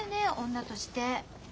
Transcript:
女として。